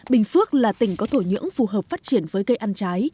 bình phước là tỉnh có thổ nhưỡng phù hợp phát triển với cây ăn trái